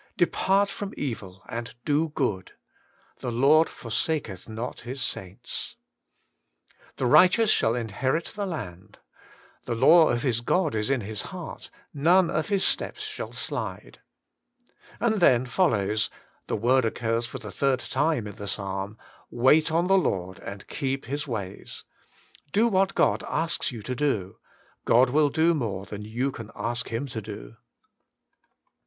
Depart from evil, and do good ; the Lord f orsaketii not His saints. The righteous shall inherit the land. WAITING ON GODl 65 The law of his God is in his heart ; none of his steps shall slide.' And then follows — the word occurs for the third time in the psalm —* Wait on the Lord, and keep His ways.' Do what God asks you to do ; God will do more than you can ask Him to do.